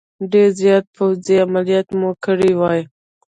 ډېر زیات پوځي عملیات مو کړي وای.